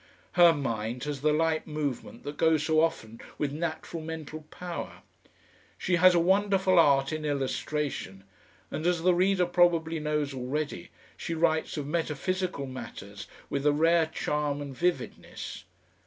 Her mind has the light movement that goes so often with natural mental power; she has a wonderful art in illustration, and, as the reader probably knows already, she writes of metaphysical matters with a rare charm and vividness.